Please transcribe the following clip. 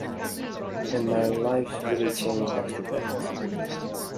And my life really changed after that.